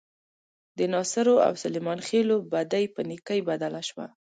د ناصرو او سلیمان خېلو بدۍ په نیکۍ بدله شوه.